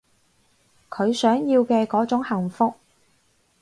佢想要嘅嗰種幸福